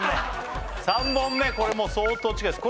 ３本目これもう相当近いです